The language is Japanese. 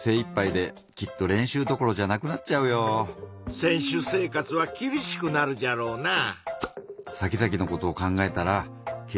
選手生活はきびしくなるじゃろうなぁ。